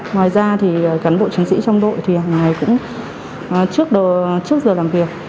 ngoài ra thì cán bộ chiến sĩ trong đội thì hàng ngày cũng trước giờ làm việc